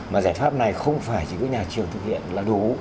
mà giải pháp này không phải chỉ có nhà trường thực hiện là đủ